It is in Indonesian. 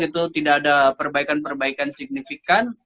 itu tidak ada perbaikan perbaikan signifikan